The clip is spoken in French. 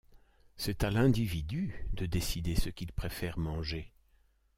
C'est à l'individu de décider ce qu'il préfère manger.